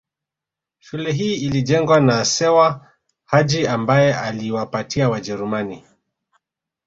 Shule hii ilijengwa na Sewa Haji ambaye aliwapatia Wajerumani